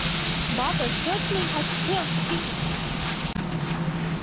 Mother certainly has spilled the beans!